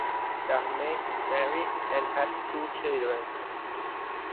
Dahmen is married and has two children.